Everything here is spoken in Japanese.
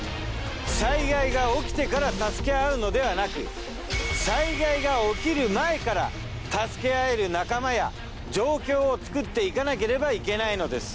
災害が起きてから助け合うのではなく災害が起きる前から助け合える仲間や状況を作っていかなければいけないのです。